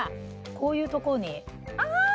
こういうとこにあ！